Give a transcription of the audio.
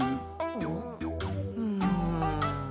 うん。